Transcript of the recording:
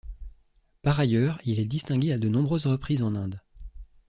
Par ailleurs il est distingué à de nombreuses reprises en Inde.